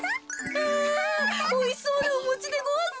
あおいしそうなおもちでごわす。